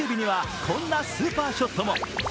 そして最終日には、こんなスーパーショットも。